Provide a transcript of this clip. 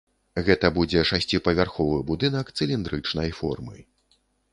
Гэта будзе шасціпавярховы будынак цыліндрычнай формы.